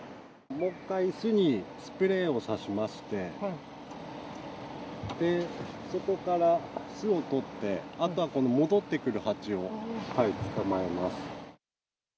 もう一回巣にスプレーを刺しまして、そこから巣を取って、あとは戻ってくる蜂を捕まえます。